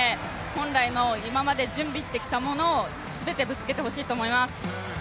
本来の今まで準備してきたものを全てぶつけてほしいと思います。